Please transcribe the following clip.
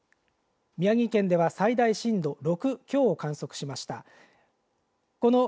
宮城県では最大震度６強を観測しました。